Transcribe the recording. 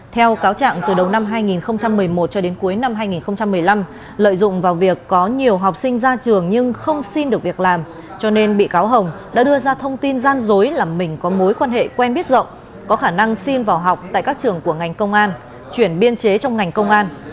theo cáo trạng từ đầu năm hai nghìn một mươi một cho đến cuối năm hai nghìn một mươi năm lợi dụng vào việc có nhiều học sinh ra trường nhưng không xin được việc làm cho nên bị cáo hồng đã đưa ra thông tin gian dối là mình có mối quan hệ quen biết rộng có khả năng xin vào học tại các trường của ngành công an chuyển biên chế trong ngành công an